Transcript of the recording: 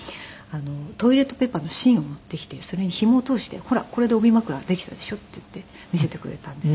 トイレットペーパーの芯を持ってきてそれにひもを通して「ほらこれで帯枕できたでしょ」って言って見せてくれたんです。